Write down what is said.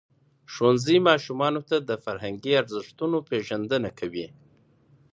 ښوونځی ماشومانو ته د فرهنګي ارزښتونو پېژندنه کوي.